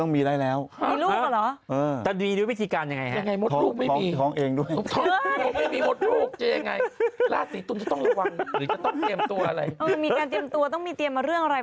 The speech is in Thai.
มีการเตรียมตัวต้องมีเตรียมมาเรื่องอะไร